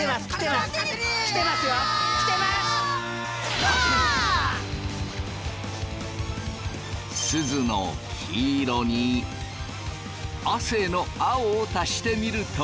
すずの黄色に亜生の青を足してみると。